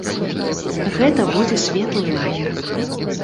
Гэта будзе светлы лагер.